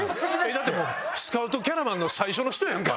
だってスカウトキャラバンの最初の人やんか。